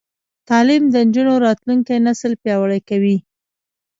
تعلیم د نجونو راتلونکی نسل پیاوړی کوي.